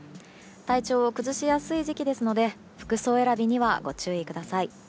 体調を崩しやすい時期ですので服装選びにはご注意ください。